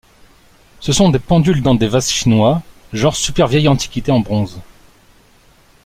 Ce sont des pendules dans des vases chinois, genre super vieille antiquité en bronze.